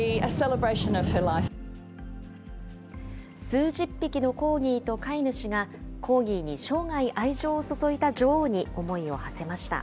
数十匹のコーギーと飼い主が、コーギーに生涯愛情を注いだ女王に思いをはせました。